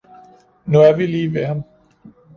Nu er vi lige ved ham